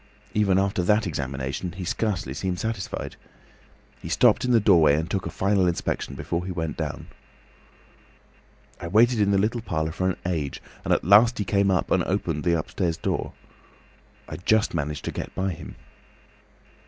Even after that examination, he scarcely seemed satisfied. He stopped in the doorway and took a final inspection before he went down. "I waited in the little parlour for an age, and at last he came up and opened the upstairs door. I just managed to get by him.